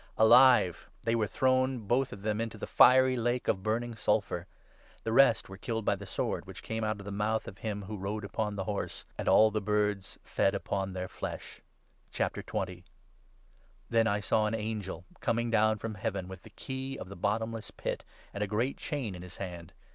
Alive, they were thrown, both of them, into the fiery lake 'of burning sulphur.' The rest were 21 killed by the sword which came out of the mouth of him who rode upon the horse ; and all the birds feJ upon their flesh. Then I saw an angel coming down from Heaven, with the i key of the bottomless pit and a great chain in his hand.